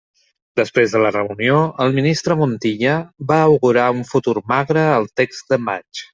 Després de la reunió, el ministre Montilla va augurar un futur magre al text de maig.